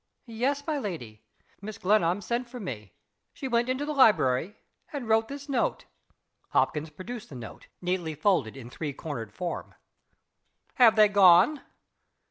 "Yes, my lady. Mrs. Glenarm sent for me. She went into the library, and wrote this note." Hopkins produced the note, neatly folded in three cornered form. "Have they gone?"